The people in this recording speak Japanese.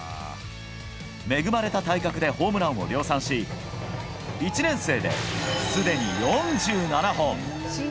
恵まれた体格でホームランを量産し１年生で、すでに４７本。